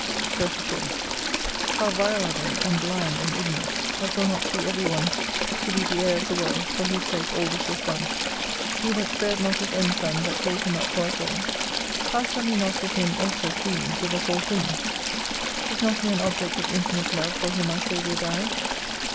34 How vile are they, and blind and ignorant, that will not see every one to be the heir of the world, for whose sake all this was done ! He that spared not His own Son but gave Him up for us all, how shall He not with Him also freely give us all things ? Is not he an object of infinite Love for whom our Saviour died